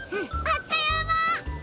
あっというま！